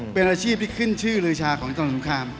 เป็นอาชีพที่ขึ้นชื่อลือชาของจังหวัดสงคราม